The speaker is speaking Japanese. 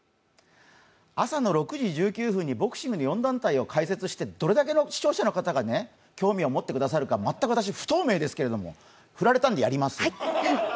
朝の６時１９分にボクシングの４団体を解説して、どれだけの視聴者の方が興味を持ってくれるか全く私、不透明ですけれども振られたんで、やります。